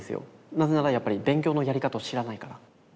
なぜならやっぱり勉強のやり方を知らないから。